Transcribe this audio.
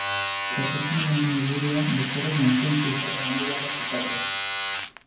Proposamen honen helburua, bezeroek bankuen krisiak ordaindu behar ez izatea.